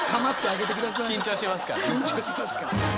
緊張しますからね。